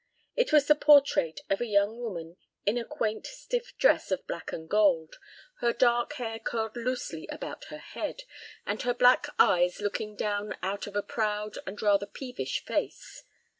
It was the portrait of a young woman in a quaint stiff dress of black and gold, her dark hair curled loosely about her head, and her black eyes looking down out of a proud and rather peevish face.